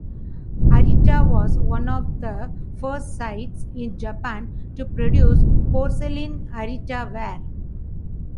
Arita was one of the first sites in Japan to produce porcelain, Arita ware.